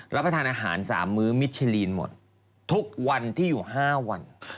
รับประทานอาหาร๓มื้อมิชชิลีนหมดทุกวันที่อยู่๕วัน